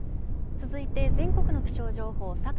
続いて全国の気象情報、佐藤